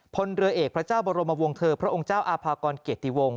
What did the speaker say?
พลเรือเอกพระเจ้าบรมวงคือพระองค์เจ้าอาภากรเกียรติวงศ